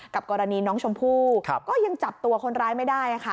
กรณีน้องชมพู่ก็ยังจับตัวคนร้ายไม่ได้ค่ะ